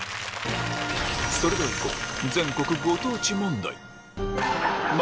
それではいこう！